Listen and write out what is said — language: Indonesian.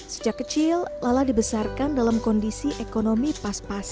sejak kecil lala dibesarkan dalam kondisi ekonomi perusahaan